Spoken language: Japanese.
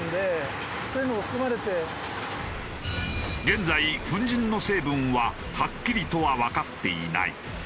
現在粉塵の成分ははっきりとはわかっていない。